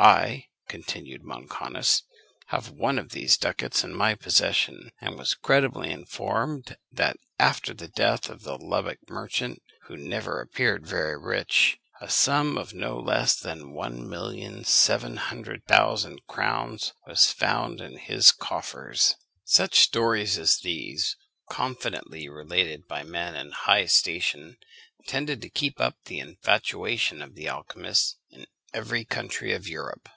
I (continued Monconis) have one of these ducats in my possession; and was credibly informed that, after the death of the Lubeck merchant, who had never appeared very rich, a sum of no less than one million seven hundred thousand crowns was found in his coffers." Voyages de Monconis, tome ii. p. 379. Such stories as these, confidently related by men high in station, tended to keep up the infatuation of the alchymists in every country of Europe.